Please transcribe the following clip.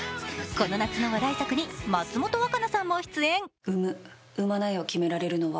この夏の話題作に松本若菜さんも出演。